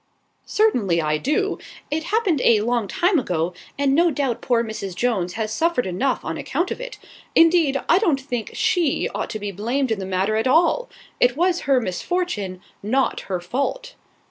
"Certainly I do. It happened a long time ago, and no doubt poor Mrs. Jones has suffered enough on account of it. Indeed, I don't think she ought to be blamed in the matter at all; it was her misfortune, not her fault."